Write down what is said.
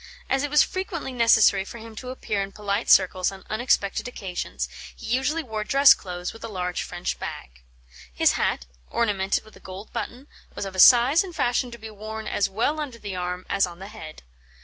As it was frequently necessary for him to appear in polite circles on unexpected occasions, he usually wore dress clothes with a large French bag. His hat, ornamented with a gold button, was of a size and fashion to be worn as well under the arm as on the head.